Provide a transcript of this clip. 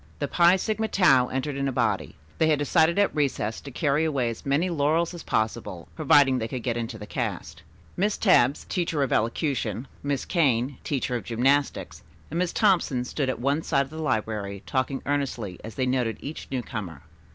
The Phi Sigma Tau entered in a body. They had decided at recess to carry away as many laurels as possible, providing they could get into the cast. Miss Tebbs, teacher of elocution; Miss Kane, teacher of gymnastics, and Miss Thompson stood at one side of the library talking earnestly as they noted each newcomer.